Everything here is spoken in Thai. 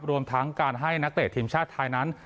รวมทั้งการให้นักเตะทีมชาติไทยนั้น